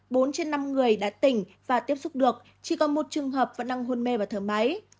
bốn trên năm người đã tỉnh và tiếp xúc được chỉ còn một trường hợp vẫn đang hôn mê và thở máy